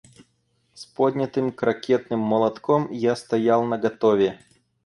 С поднятым крокетным молотком я стоял наготове.